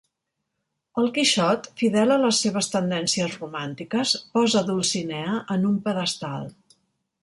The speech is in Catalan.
El Quixot, fidel a les seves tendències romàntiques, posa Dulcinea en un pedestal.